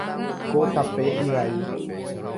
Ko tape ivai.